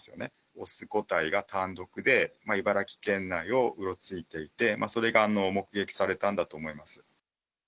雄個体が単独で、茨城県内をうろついていて、それが目撃されたんだと思います。